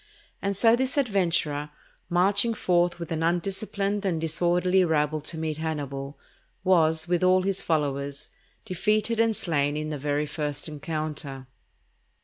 And so this adventurer, marching forth with an undisciplined and disorderly rabble to meet Hannibal, was, with all his followers, defeated and slain in the very first encounter.